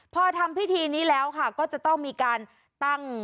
พอทำพิธีนี้แล้วค่ะก็จะต้องมีการตั้ง